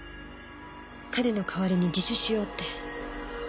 彼の代わりに自首しようって。